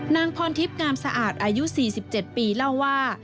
นางพรทิพย์งามสะอาดอายุ๔๗ปีเล่าว่า